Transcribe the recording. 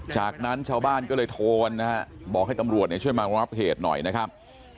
จากนั้นชาวบ้านก็เลยโทรนะฮะบอกให้ตำรวจช่วยมารองรับเหตุหน่อยนะครับ